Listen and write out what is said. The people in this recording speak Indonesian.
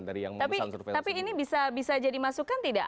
tapi ini bisa jadi masukan tidak